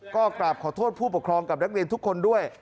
ก็กราบขอโทษผู้ปกครองกับนักเรียนทุกคนด้วย